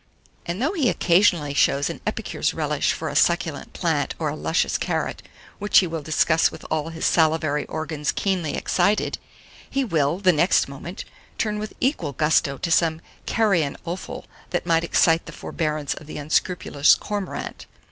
And though he occasionally shows an epicure's relish for a succulent plant or a luscious carrot, which he will discuss with all his salivary organs keenly excited, he will, the next moment, turn with equal gusto to some carrion offal that might excite the forbearance of the unscrupulous cormorant.